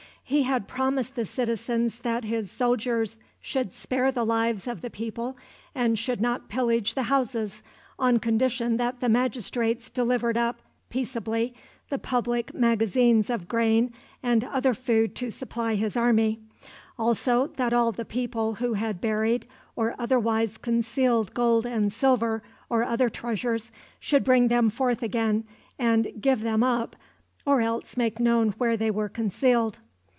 He had promised the citizens that his soldiers should spare the lives of the people and should not pillage the houses on condition that the magistrates delivered up peaceably the public magazines of grain and other food to supply his army; also that all the people who had buried or otherwise concealed gold and silver, or other treasures, should bring them forth again and give them up, or else make known where they were concealed.